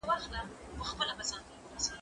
زه مخکي ليکلي پاڼي ترتيب کړي وو؟!